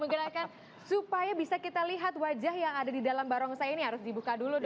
menggerakkan supaya bisa kita lihat wajah yang ada di dalam barongsai ini harus dibuka dulu